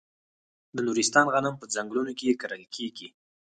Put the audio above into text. د نورستان غنم په ځنګلونو کې کرل کیږي.